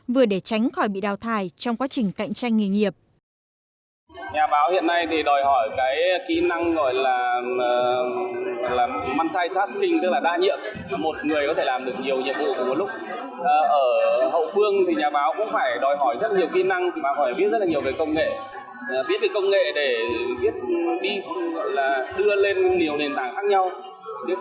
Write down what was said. vừa để tránh khỏi bị đào thải trong quá trình cạnh tranh nghề nghiệp